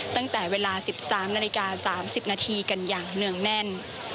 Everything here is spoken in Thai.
ตั้งแต่เวลา๑๓นาฬิกา๓๐นาทีกันอย่างเนื่องแน่น